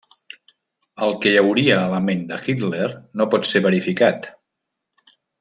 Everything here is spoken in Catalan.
El que hi hauria a la ment de Hitler no pot ser verificat.